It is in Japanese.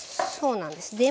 そうなんです。